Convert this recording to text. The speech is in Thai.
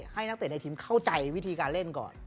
นักเตะในทีมเข้าใจวิธีการเล่นก่อน